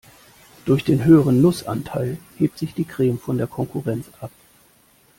Durch den höheren Nussanteil hebt sich die Creme von der Konkurrenz ab.